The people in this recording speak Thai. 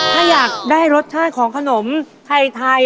ถ้าอยากได้รสชาติของขนมไทย